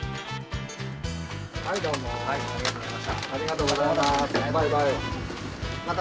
はいどうもありがとうございました。